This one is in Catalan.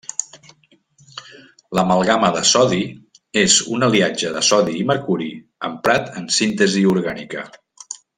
L'amalgama de sodi és un aliatge de sodi i mercuri emprat en síntesi orgànica.